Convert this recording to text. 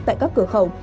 tại các cửa khẩu